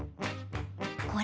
これ。